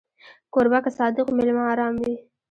کوربه که صادق وي، مېلمه ارام وي.